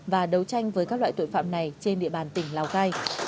và đấu tranh với các loại tội phạm này trên địa bàn tỉnh lào cai